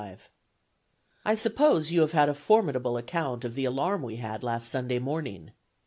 "I suppose you have had a formidable account of the alarm we had last Sunday morning.